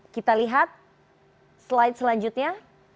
kita lihat slide selanjutnya